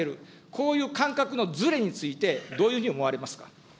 こういう感覚のずれについて、どういうふうに思われますか。